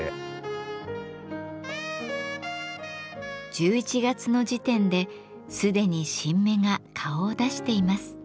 １１月の時点ですでに新芽が顔を出しています。